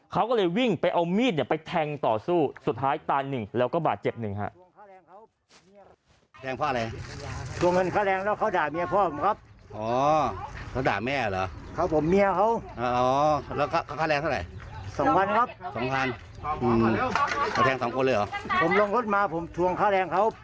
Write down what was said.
เขาก็เลยวิ่งไปเอามีดไปแทงต่อสู้สุดท้ายตายหนึ่งแล้วก็บาดเจ็บหนึ่งฮะ